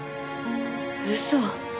嘘。